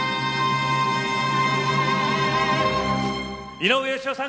井上芳雄さん